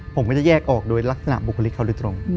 ผมก็จะแยกออกโดยลักษณะบุคลิกเขาโดยตรง